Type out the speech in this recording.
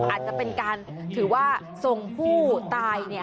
อาจจะเป็นการที่ถือว่าทรงผู้ตายเนี่ย